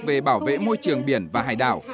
về bảo vệ môi trường biển và hải đảo